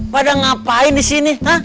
padahal ngapain disini